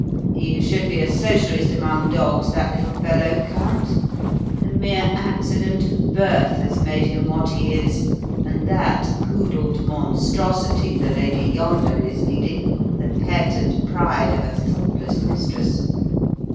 "He should be a Socialist among dogs, that little fellow, Count. The mere accident of birth has made him what he is, and that poodled monstrosity the lady yonder is leading the pet and pride of a thoughtless mistress.